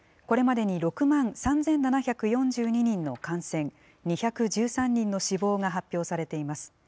これまでに６万３７４２人の感染、２１３人の死亡が発表されています。